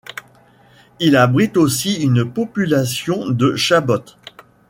Il abrite aussi une population de chabots.